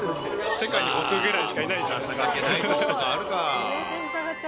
世界に僕ぐらいしかいないじゃないですか。